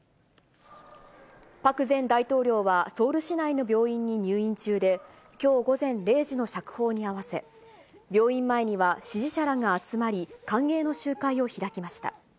パク前大統領は、ソウル市内の病院に入院中で、きょう午前０時の釈放に合わせ、病院前には支持者らが集まり、歓迎の集会を開きました。